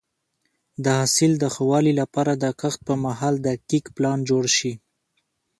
د حاصل د ښه والي لپاره د کښت پر مهال دقیق پلان جوړ شي.